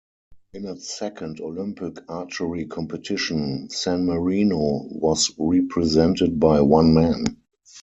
In its second Olympic archery competition, San Marino was represented by one man.